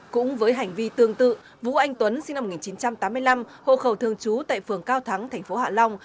cũng với hành vi tương tự vũ anh tuấn sinh năm một nghìn chín trăm tám mươi năm hộ khẩu thường trú tại phường cao thắng thành phố hạ long